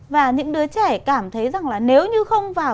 và những đứa trẻ cảm thấy rằng là nếu như không vào